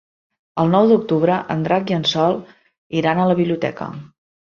El nou d'octubre en Drac i en Sol iran a la biblioteca.